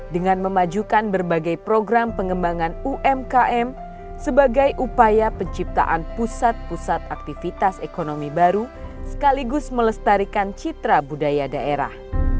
dengan memajukan berbagai program pengembangan umkm sebagai upaya penciptaan pusat pusat aktivitas ekonomi baru sekaligus melestarikan citra budaya daerah